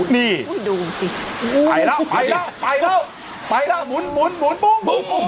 นี่ดูสิไปแล้วไปแล้วไปแล้วไปแล้วหมุนหมุนหมุนปุ้มปุ้มปุ้ม